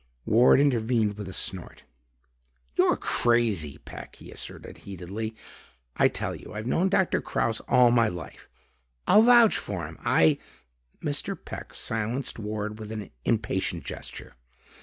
Ward intervened with a snort. "You're crazy, Peck," he asserted heatedly. "I tell you I've known Doctor Kraus all my life. I'll vouch for him. I...." Mr. Peck silenced Ward with an impatient gesture.